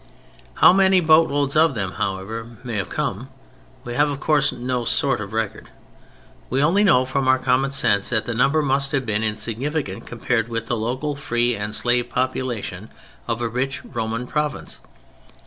How many boatloads of them, however, may have come, we have of course no sort of record: we only know from our common sense that the number must have been insignificant compared with the total free and slave population of a rich Roman province.